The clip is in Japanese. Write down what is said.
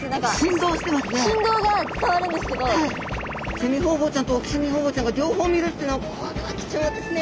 セミホウボウちゃんとオキセミホウボウちゃんが両方見れるっていうのはこれは貴重ですね。